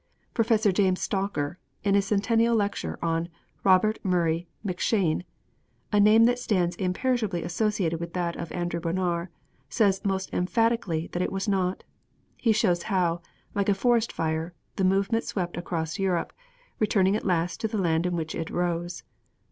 Professor James Stalker, in a Centennial Lecture on Robert Murray McCheyne a name that stands imperishably associated with that of Andrew Bonar says most emphatically that it was not. He shows how, like a forest fire, the movement swept across Europe, returning at last to the land in which it rose.